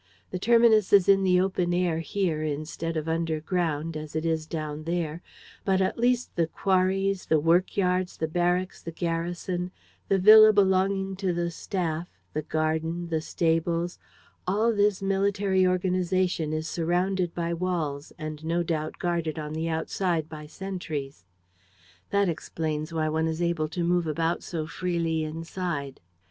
The terminus is in the open air here, instead of underground, as it is down there; but at least the quarries, the work yards, the barracks, the garrison, the villa belonging to the staff, the garden, the stables, all this military organization is surrounded by walls and no doubt guarded on the outside by sentries. That explains why one is able to move about so freely inside."